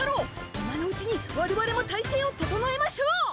今のうちにわれわれも体制を整えましょう。